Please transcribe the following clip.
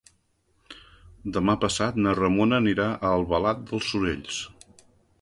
Demà passat na Ramona anirà a Albalat dels Sorells.